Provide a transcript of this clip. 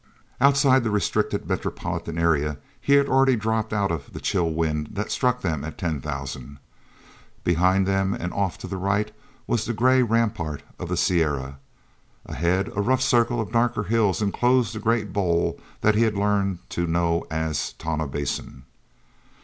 Outside the restricted metropolitan area he had already dropped out of the chill wind that struck them at ten thousand. Behind them and off to the right was the gray rampart of the Sierra. Ahead a rough circle of darker hills enclosed the great bowl he had learned to know as Tonah Basin.